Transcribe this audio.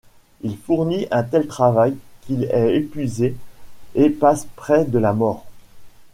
Il fournit un tel travail qu'il est épuisé et passe près de la mort.